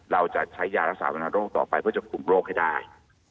เราจะใช้ยารักษาวรรณโรคต่อไปเพื่อจะคุมโรคให้ได้